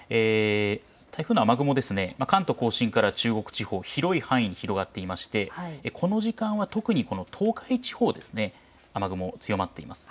台風の雨雲、関東甲信から中国地方、広い範囲に広がっていましてこの時間は特に東海地方、雨雲強まっています。